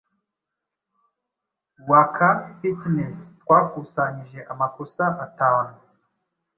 waka Fitness twakusanyije amakosa atanu